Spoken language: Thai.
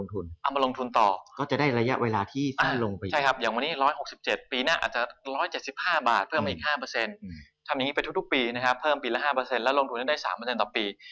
ทำอย่างนี้ไปทุกปีนะครับเพิ่มปีละ๕แล้วลงทุนนั้นได้๓ต่อปี